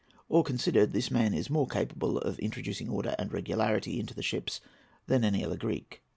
All considered, this man is more capable of introducing order and regularity into the ships than any other Greek.